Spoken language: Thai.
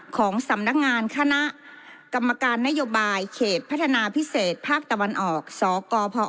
ของสำนักงานคณะกรรมการนโยบายเขตพัฒนาพิเศษภาคตะวันออกสกพ